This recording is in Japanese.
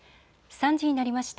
３時になりました。